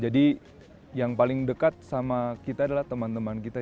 jadi yang paling dekat sama kita adalah teman teman kita